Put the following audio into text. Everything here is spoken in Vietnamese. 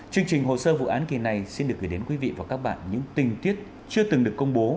chương trình hồ sơ vụ án kỳ này xin được gửi đến quý vị và các bạn những tình tiết chưa từng được công bố